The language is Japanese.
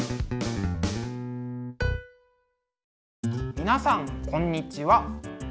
皆さんこんにちは。